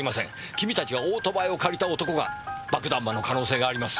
君たちがオートバイを借りた男が爆弾魔の可能性があります。